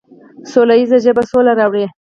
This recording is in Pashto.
سوله ییزه ژبه سوله راوړي.